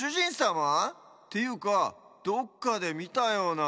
ていうかどっかでみたような。